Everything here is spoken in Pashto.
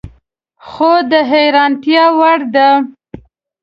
خو د حیرانتیا وړ ده